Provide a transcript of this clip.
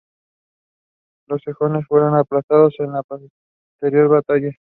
Los sajones fueron aplastados en la posterior batalla.